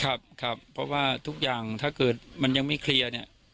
ครับครับเพราะว่าทุกอย่างถ้าเกิดมันยังไม่เคลียร์เนี่ย